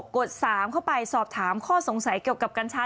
กด๓เข้าไปสอบถามข้อสงสัยเกี่ยวกับกัญชา